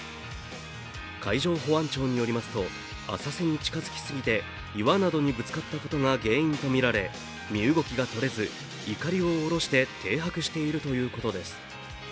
海上保安庁によりますと、浅瀬に近づきすぎて岩などにぶつかったことが原因とみられ、身動きがとれずいかりを降ろして停泊しているということです。